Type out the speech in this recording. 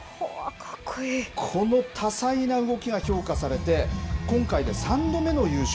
この多彩な動きが評価されて、今回で３度目の優勝。